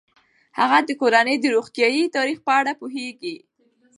هغه د کورنۍ د روغتیايي تاریخ په اړه پوهیږي.